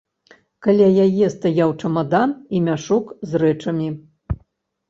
Каля яе стаяў чамадан і мяшок з рэчамі.